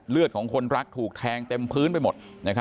ของคนรักถูกแทงเต็มพื้นไปหมด